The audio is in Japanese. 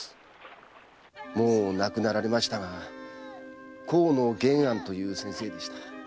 もう亡くなられましたが河野玄庵という先生でした。